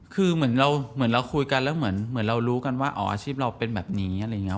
คือเหมือนเราเหมือนเราคุยกันแล้วเหมือนเรารู้กันว่าอ๋ออาชีพเราเป็นแบบนี้อะไรอย่างนี้